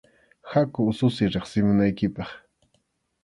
Haku ususiy riqsimunaykipaq.